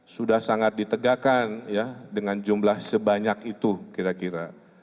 sudah sangat ditegakkan ya dengan jumlah sebanyak itu kira kira